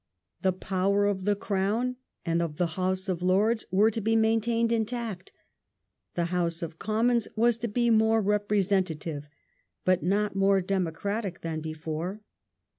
The power of the Crown and of the House of Lords were to be main tained intact ; the House of Commons was to be more representa tive, but not more democratic than before.